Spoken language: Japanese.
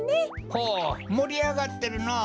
ほうもりあがってるのう。